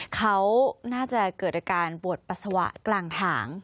เขาน่าจะเกิดอาการปวดปัสสาวะกลางหาง